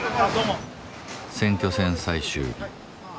選挙戦最終日